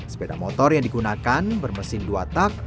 sepeda motor yang digunakan bermesin dua tak